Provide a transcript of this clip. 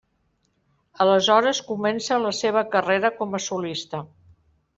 Aleshores comença la seva carrera com a solista.